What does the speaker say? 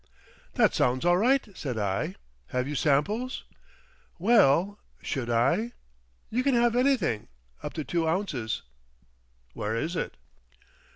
"That sounds all right," said I. "Have you samples?" "Well—should I? You can have anything—up to two ounces." "Where is it?"...